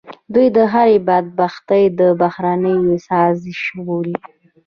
دوی هر بدبختي د بهرنیو سازش بولي.